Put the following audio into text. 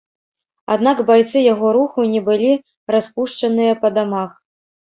Аднак байцы яго руху не былі распушчаныя па дамах.